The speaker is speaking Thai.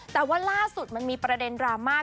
แต่ว่าล่าสุดมันมีประเด็นดราม่า